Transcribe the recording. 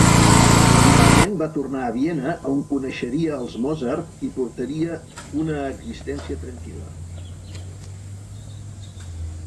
Finalment va tornar a Viena on coneixeria als Mozart i portaria una existència tranquil·la.